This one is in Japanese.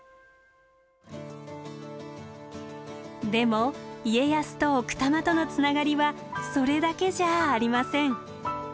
でも家康と奥多摩とのつながりはそれだけじゃありません。